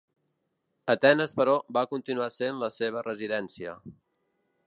Atenes però, va continuar sent la seva residència.